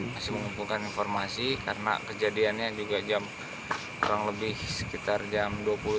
masih mengumpulkan informasi karena kejadiannya juga kurang lebih sekitar jam dua puluh